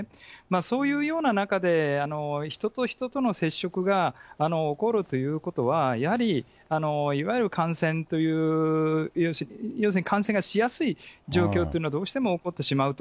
そういうような中で、人と人との接触が起こるということは、やはり、いわゆる感染という、要するに感染がしやすい状況というのが、どうしても起こってしまうと。